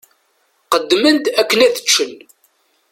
Qqedmen-d akken ad ččen.